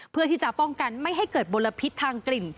เพื่อที่จะป้องกันไม่ให้เกิดมลพิษทางกลิ่น